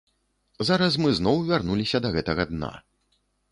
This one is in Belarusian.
Зараз мы зноў вярнуліся да гэтага дна.